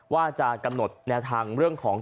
ว่าจะกำหนดแนวทางเรื่องของ